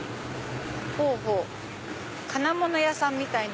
ほぉほぉ金物屋さんみたいな。